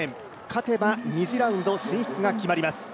勝てば２次ラウンド進出が決まります。